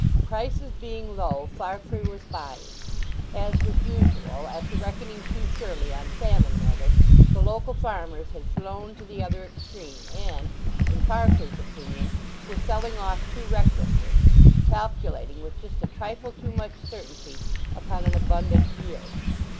Prices being low Farfrae was buying. As was usual, after reckoning too surely on famine weather the local farmers had flown to the other extreme, and (in Farfrae's opinion) were selling off too recklessly—calculating with just a trifle too much certainty upon an abundant yield.